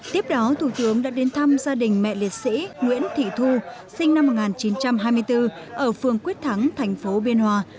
tiếp đó thủ tướng đã đến thăm gia đình mẹ liệt sĩ nguyễn thị thu sinh năm một nghìn chín trăm hai mươi bốn ở phương quyết thắng thành phố biên hòa